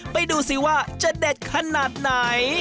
ไปดูสิว่าจะเด็ดขนาดไหน